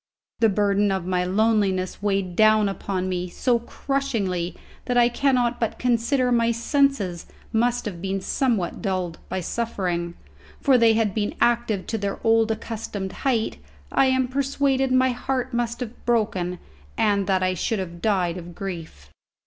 The burden of my loneliness weighed down upon me so crushingly that I cannot but consider my senses must have been somewhat dulled by suffering, for had they been active to their old accustomed height, I am persuaded my heart must have broken and that I should have died of grief.